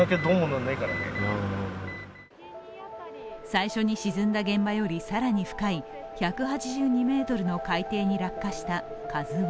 最初に沈んだ現場よりさらに深い１８２ｍの海底に落下した「ＫＡＺＵⅠ」。